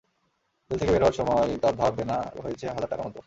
Jail থেকে বের হওয়ার সময় তার ধার-দেনা হয়েছে হাজার টাকার মতো।